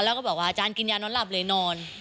แล้วก็บอกว่าอาจารย์กินยานอนหลับเลยนอน